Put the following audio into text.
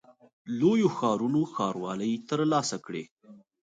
لویو ښارونو ښاروالۍ ترلاسه کړې.